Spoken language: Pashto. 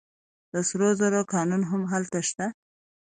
د سرو زرو کانونه هم هلته شته.